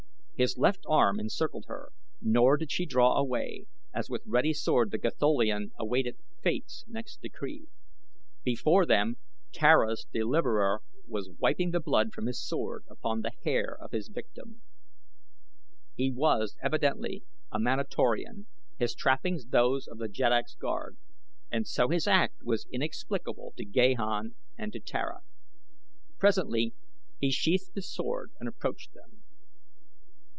His left arm encircled her, nor did she draw away, as with ready sword the Gatholian awaited Fate's next decree. Before them Tara's deliverer was wiping the blood from his sword upon the hair of his victim. He was evidently a Manatorian, his trappings those of the Jeddak's Guard, and so his act was inexplicable to Gahan and to Tara. Presently he sheathed his sword and approached them.